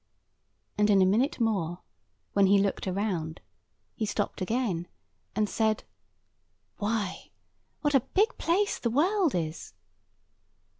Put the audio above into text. And in a minute more, when he looked round, he stopped again, and said, "Why, what a big place the world is!"